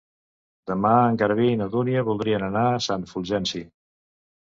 Demà en Garbí i na Dúnia voldrien anar a Sant Fulgenci.